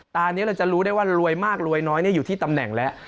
ตอนนี้เราจะรู้ได้ว่ารวยมากรวยน้อยอยู่ที่ตำแหน่งแล้ว